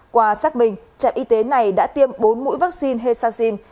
qua xác bình trại y tế này đã tiêm bốn mũi vaccine hesacin